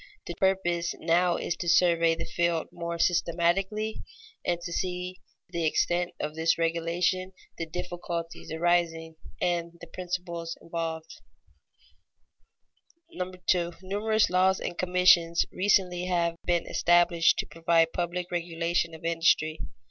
The purpose now is to survey the field more systematically and to see the extent of this regulation, the difficulties arising, and the principles involved. [Sidenote: Examples of public control of corporate industry] 2. _Numerous laws and commissions recently have been established to provide public regulation of industry.